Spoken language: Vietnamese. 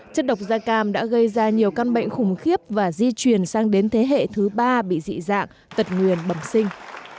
chất độc da cam đã gây ra nhiều căn bệnh khủng khiếp và di chuyển sang đến thế hệ thứ ba bị dị dạng tật nguyền bẩm sinh